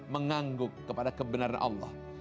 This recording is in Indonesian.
mengangguk kepada kebenaran allah